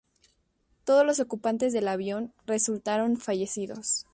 Todos los ocupantes del avión resultaron fallecidos.